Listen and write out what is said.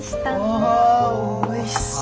わあおいしそう！